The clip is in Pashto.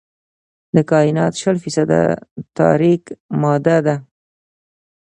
د کائنات شل فیصده تاریک ماده ده.